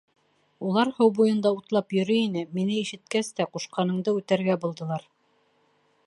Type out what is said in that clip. — Улар һыу буйында утлап йөрөй ине, мине ишеткәс тә, ҡушҡаныңды үтәргә булдылар.